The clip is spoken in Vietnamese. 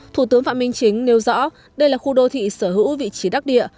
thủ tướng phạm minh chính nêu rõ đây là khu đô thị sở hữu vị trí đắc địa